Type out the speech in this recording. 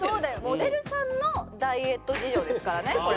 モデルさんのダイエット事情ですからねこれ。